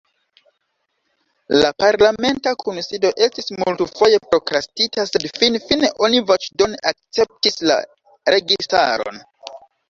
La parlamenta kunsido estis multfoje prokrastita sed finfine oni voĉdone akceptis la registaron.